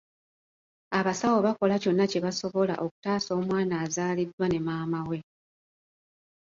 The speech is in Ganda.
Abasawo bakola kyonna kye basobola okutaasa omwana azaaliddwa ne maama we.